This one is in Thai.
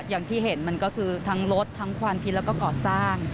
อย่างที่เห็นมันก็คือทั้งลดทั้งความคิดแล้วก็ก่อสร้าง